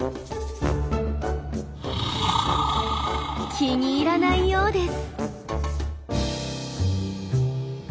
気に入らないようです。